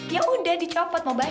yaudah dicopot mau bayar